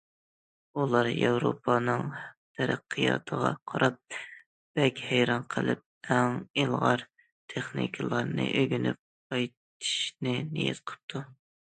ئۇلار ياۋروپانىڭ تەرەققىياتىغا قاراپ بەك ھەيران قېلىپ، ئەڭ ئىلغار تېخنىكىلارنى ئۆگىنىپ قايتىشنى نىيەت قىپتۇ.